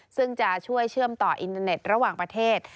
ซึ่งจะช่วยเชื่อมต่ออินเทอร์เน็ตระหว่างประเทศ